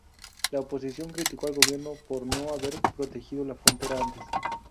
La oposición criticó al gobierno por no haber protegido la frontera antes.